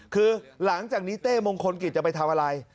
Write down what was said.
คือหลังจากนี้เต้มงคลกิจจะไปทำอะไร